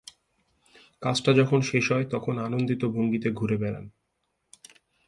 কাজটা যখন শেষ হয় তখন আনন্দিত ভঙ্গিতে ঘুরে বেড়ান।